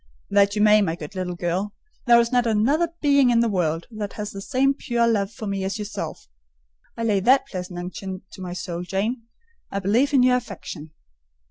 "That you may, my good little girl: there is not another being in the world has the same pure love for me as yourself—for I lay that pleasant unction to my soul, Jane, a belief in your affection."